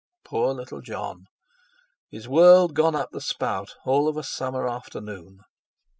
Poor little Jon! His world gone up the spout, all of a summer afternoon!